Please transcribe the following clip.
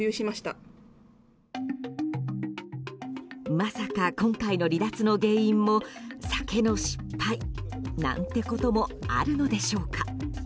まさか、今回の離脱の原因も酒の失敗なんてこともあるのでしょうか。